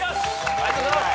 ありがとうございます！